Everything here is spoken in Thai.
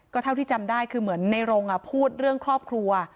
เท่าที่จำได้คือเหมือนในรงพูดเรื่องครอบครัว